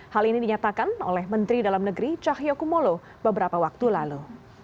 hal ini dinyatakan oleh menteri dalam negeri cahyokumolo beberapa waktu lalu